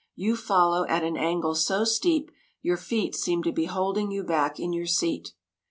You follow at an angle so steep your feet seem to be holding you back in your seat.